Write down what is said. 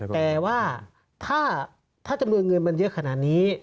แต่ว่าถ้าเงินมันเยอะขนาดนี้